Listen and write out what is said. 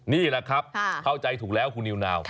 นี่แหละครับเข้าใจถูกแล้วคุณนิวนาว